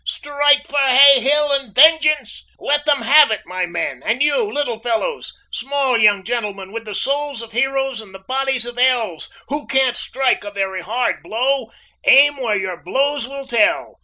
"Strike for Hay Hill and vengeance! Let them have it, my men! And you, little fellows! Small young gentlemen, with the souls of heroes, and the bodies of elves, who can't strike a very hard blow, aim where your blows will tell!